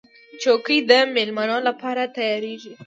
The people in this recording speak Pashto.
چوکۍ د مېلمنو لپاره تیارېږي.